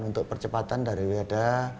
untuk percepatan dari beda